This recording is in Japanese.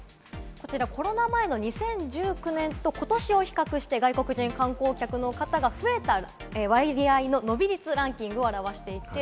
コロナ前の２０１９年と、ことしを比較して外国人観光客の方が増えた割合の伸び率ランキングを表しています。